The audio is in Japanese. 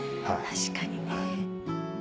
確かにね。